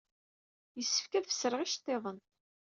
Yessefk ad fesreɣ iceḍḍiḍen.